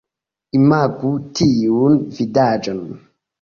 Imagu tiun vidaĵon!